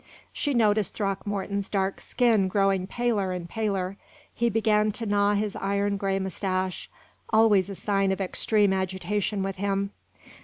She noticed Throckmorton's dark skin growing paler and paler; he began to gnaw his iron gray mustache always a sign of extreme agitation with him.